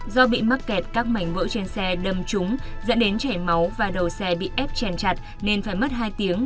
do bị mắc kẹt các mảnh vỡ trên xe đâm trúng dẫn đến chảy máu và đầu xe bị ép chèn chặt nên phải mất hai tiếng